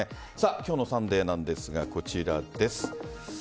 今日の「サンデー」なんですがこちらです。